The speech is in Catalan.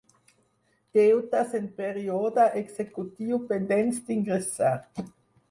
Deutes en període executiu pendents d'ingressar.